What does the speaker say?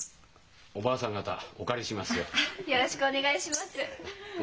おばあさん方お借りしますよ。